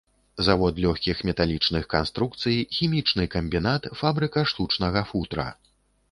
Завод лёгкіх металічных канструкцый, хімічны камбінат, фабрыка штучнага футра.